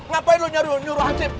ngapain lu nyuruh nyuruh hasib